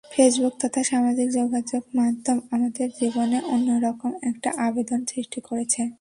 Facebook তথা সামাজিক যোগাযোগমাধ্যম আমাদের জীবনে অন্য রকম একটা আবেদন সৃষ্টি করেছে।